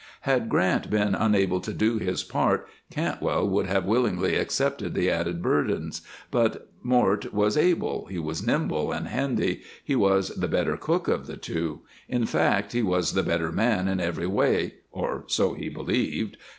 Had Grant been unable to do his part Cantwell would have willingly accepted the added burden, but Mort was able, he was nimble and "handy," he was the better cook of the two; in fact, he was the better man in every way or so he believed.